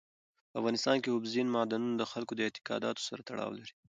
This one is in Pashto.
په افغانستان کې اوبزین معدنونه د خلکو د اعتقاداتو سره تړاو لري.